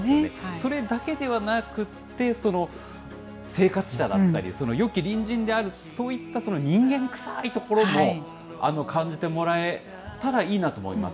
それだけではなくって、生活者だったり、よき隣人である、そういった人間くさいところも感じてもらえたらいいなと思います。